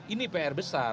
ini pr besar